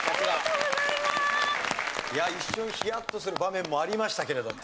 いや一瞬ヒヤッとする場面もありましたけれども。